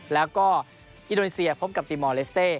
แล้วก็อินโดนีเซียพบกับตีมอลเลสเต้